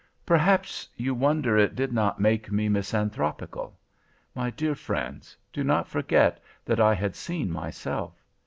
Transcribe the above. "Perhaps you wonder it did not make me misanthropical. My dear friends, do not forget that I had seen myself.